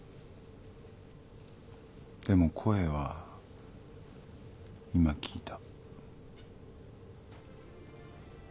でも声は今聞いた。